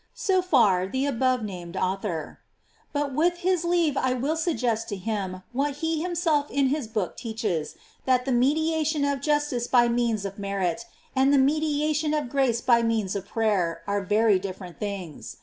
"* So far the above named author. But witli his leave I will suggest to him what he himself in his book teaches me, that the me diation of justice by means of merit, and the me diation of grace by means of prayer, are very different things.